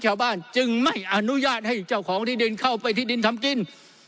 ชาวบ้านจึงไม่อนุญาตให้เจ้าของที่ดินเข้าไปที่ดินทำกิน